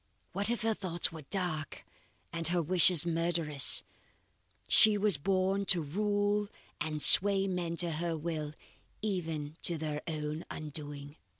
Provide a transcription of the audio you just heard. What if her thoughts were dark and her wishes murderous! She was born to rule and sway men to her will even to their own undoing."